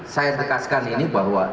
saya tekaskan ini bahwa